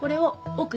奥？